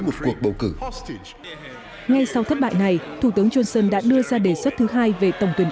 một cuộc bầu cử ngay sau thất bại này thủ tướng johnson đã đưa ra đề xuất thứ hai về tổng tuyển